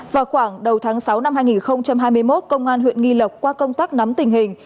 vào khoảng đầu tháng sáu năm hai nghìn hai mươi một công an huyện nghi lộc qua công tác nắm tình hình